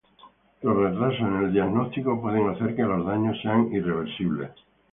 Los retrasos en el diagnóstico pueden hacer que los daños sean irreversibles.